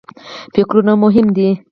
فکرونه مهم دي.